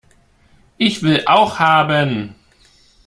Ich will auch haben!